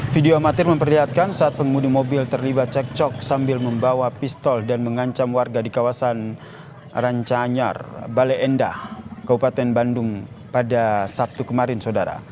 video amatir memperlihatkan saat pengemudi mobil terlibat cekcok sambil membawa pistol dan mengancam warga di kawasan rancanyar bale endah kabupaten bandung pada sabtu kemarin saudara